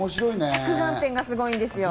着眼点が面白いんですよ。